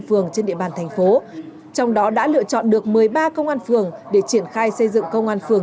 phường trên địa bàn thành phố trong đó đã lựa chọn được một mươi ba công an phường để triển khai xây dựng công an phường